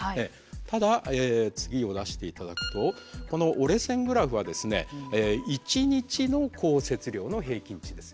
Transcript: ただ次を出して頂くとこの折れ線グラフは一日の降雪量の平均値です。